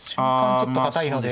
ちょっと堅いので。